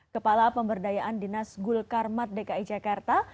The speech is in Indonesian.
kepala pemberdayaan dinas gul karmat dki jakarta